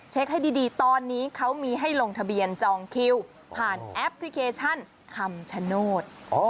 ให้ดีตอนนี้เขามีให้ลงทะเบียนจองคิวผ่านแอปพลิเคชันคำชโนธ